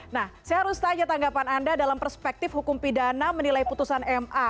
nah saya harus tanya tanggapan anda dalam perspektif hukum pidana menilai putusan ma